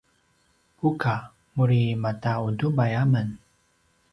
buka: muri maka utubai amen